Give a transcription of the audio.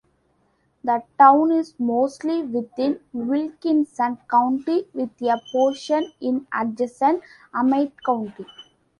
The town is mostly within Wilkinson County with a portion in adjacent Amite County.